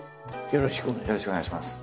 よろしくお願いします。